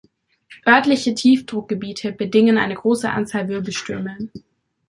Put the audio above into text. Örtliche Tiefdruckgebiete bedingen eine große Anzahl Wirbelstürme.